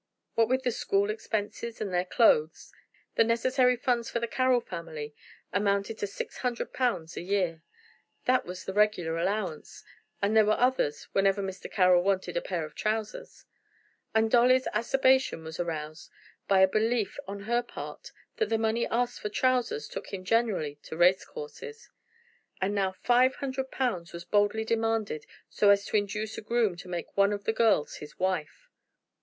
What with their school expenses and their clothes, the necessary funds for the Carroll family amounted to six hundred pounds a year. That was the regular allowance, and there were others whenever Mr. Carroll wanted a pair of trousers. And Dolly's acerbation was aroused by a belief on her part that the money asked for trousers took him generally to race courses. And now five hundred pounds was boldly demanded so as to induce a groom to make one of the girls his wife!